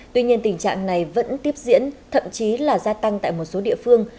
tuy nhiên tình trạng này vẫn tiếp diễn thậm chí là gia tăng tại một số địa phương